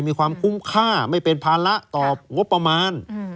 มีความคุ้มค่าไม่เป็นภาระต่องบประมาณ